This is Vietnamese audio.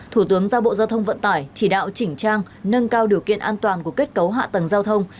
thủ tướng giao bộ giao thông vận tải chỉ đạo chỉnh trang nâng cao điều kiện an toàn của kết cấu hạ tầng giao thông